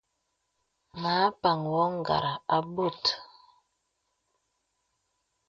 Mə a paŋ wɔ ngàrà à bɔ̄.